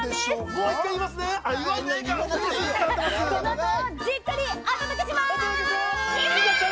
この後、じっくりお届けします。